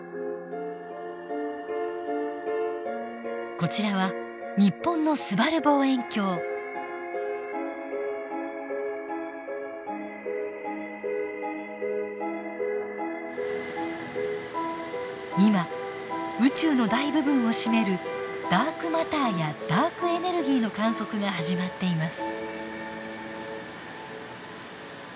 こちらは日本の今宇宙の大部分を占めるダークマターやダークエネルギーの観測が始まっています。